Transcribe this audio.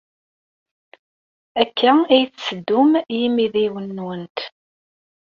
Akka ay tetteddum i yimidiwen-nwent?